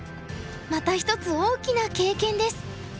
また一つ大きな経験です。